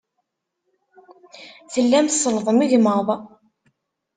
Tellam tsellḍem igmaḍ.